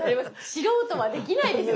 素人はできないです。